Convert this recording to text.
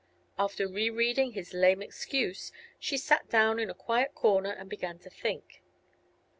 After rereading his lame excuse she sat down in a quiet corner and began to think.